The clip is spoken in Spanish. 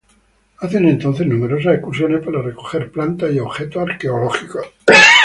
Hace entonces numerosas excursiones para recoger plantas y objetos arqueológicos.